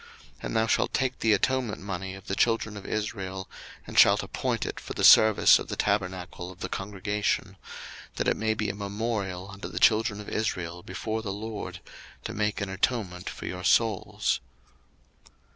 02:030:016 And thou shalt take the atonement money of the children of Israel, and shalt appoint it for the service of the tabernacle of the congregation; that it may be a memorial unto the children of Israel before the LORD, to make an atonement for your souls.